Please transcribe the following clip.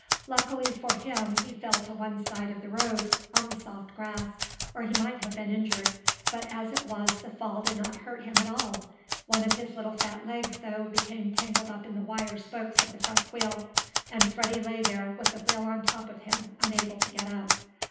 Luckily for him, he fell to one side of the road, on the soft grass, or he might have been injured, but, as it was, the fall did not hurt him at all. One of his little fat legs, though, became tangled up in the wire spokes of the front wheel, and Freddie lay there, with the wheel on top of him, unable to get up.